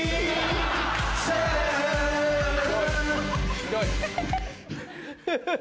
ひどい。